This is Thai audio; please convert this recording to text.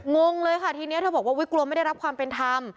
งงเลยค่ะทีนี้เธอบอกว่ากลัวไม่ได้รับความเป็นธรรม